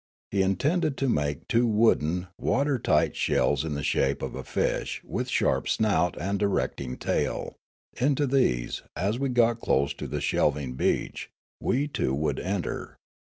He intended to make two wooden, water tight shells in the shape of a fish with sharp snout and directing tail ; into these, as we got close to a shelving beach, we two would enter.